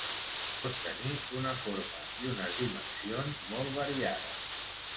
Pot tenir una forma i unes dimensions molt variades.